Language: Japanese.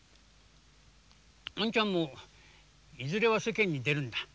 あんちゃんもいずれは世間に出るんだ。